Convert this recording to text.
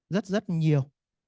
rất rất nhiều